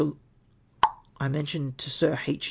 I mentioned to Sir H.